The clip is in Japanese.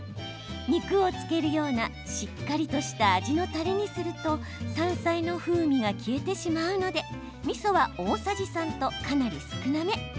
肉を漬けるようなしっかりとした味のたれにすると山菜の風味が消えてしまうのでみそは大さじ３とかなり少なめ。